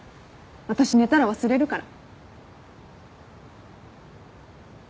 私寝たら忘れるから。